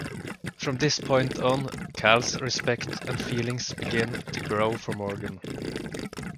From this point on Cal's respect and feelings begin to grow for Morgan.